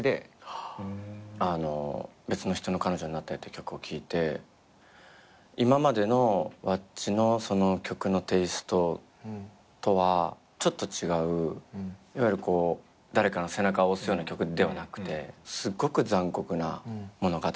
『別の人の彼女になったよ』って曲を聴いて今までのｗａｃｃｉの曲のテイストとはちょっと違ういわゆる誰かの背中を押すような曲ではなくてすっごく残酷な物語。